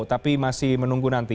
tapi masih menunggu nanti